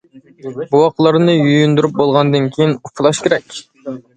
بوۋاقلارنى يۇيۇندۇرۇپ بولغاندىن كىيىن ئۇپىلاش كېرەك.